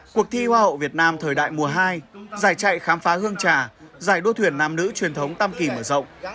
cuộc thi hoa hậu việt nam thời đại mùa hai giải chạy khám phá hương trà giải đua thuyền nam nữ truyền thống tam kỳ mở rộng